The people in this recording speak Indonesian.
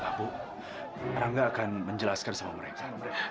aku rangga akan menjelaskan sama mereka